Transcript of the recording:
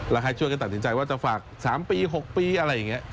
แล้วให้ช่วยกันตัดสินใจว่าจะฝาก๓ปี๖ปีอะไรอย่างนี้